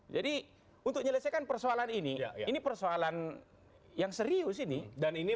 jadi untuk menyelesaikan persoalan ini ini persoalan yang serius ini